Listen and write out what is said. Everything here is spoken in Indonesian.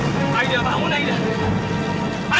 siapkan pertindakan sekarang cepat cepat